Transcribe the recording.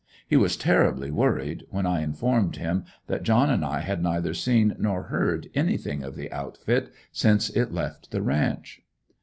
He was terribly worried when I informed him that John and I had neither seen nor heard anything of the outfit since it left the ranch.